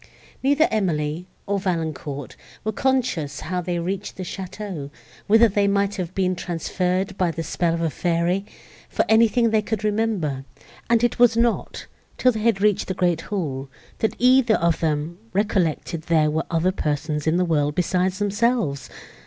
Neither Emily, nor Valancourt, were conscious how they reached the château, whither they might have been transferred by the spell of a fairy, for anything they could remember; and it was not, till they had reached the great hall, that either of them recollected there were other persons in the world besides themselves.